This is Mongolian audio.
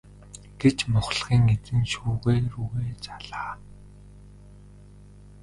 гэж мухлагийн эзэн шүүгээ рүүгээ заалаа.